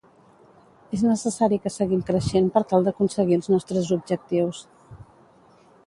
És necessari que seguim creixent per tal d'aconseguir els nostres objectius.